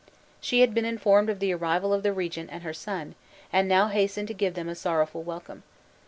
She had been informed of the arrival of the regent and her son, and now hastened to give them a sorrowful welcome.